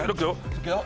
いくよ。